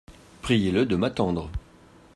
Priez-le de m’attendre.